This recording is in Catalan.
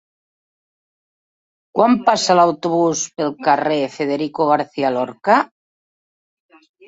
Quan passa l'autobús pel carrer Federico García Lorca?